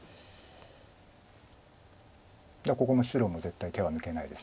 ここも白も絶対手は抜けないです。